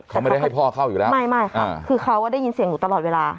เขาไม่ได้ให้พ่อเข้าอยู่แล้วไม่ไม่ค่ะคือเขาได้ยินเสียงหนูตลอดเวลา